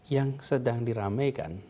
yang sedang diramaikan